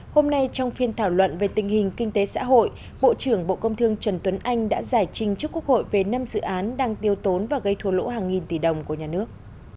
hôm nay trong phiên thảo luận về tình hình kinh tế xã hội bộ trưởng bộ công thương trần tuấn anh đã giải trình trước quốc hội về năm dự án đang tiêu tốn và gây thua lỗ hàng nghìn tỷ đồng của nhà nước